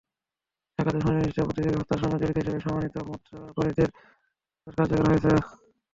একাত্তরে সুনির্দিষ্টভাবে বুদ্ধিজীবী হত্যার সঙ্গে জড়িত হিসেবে প্রমাণিত যুদ্ধাপরাধীদের ফাঁসির দণ্ডােদশ কার্যকর হয়েছে।